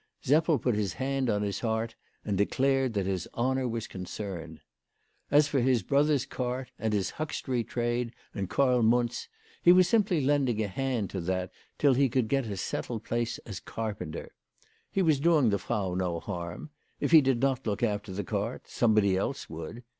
Seppel put his hand on his heart, and declared that his honour was concerned. As for his brother's cart and his huckstery trade and Karl Muntz, he was simply lending a hand to that, till he could get a settled place as carpenter. He was doing the Frau no harm. If he did not look after the cart, somebody else would.